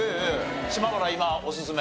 島原今おすすめ？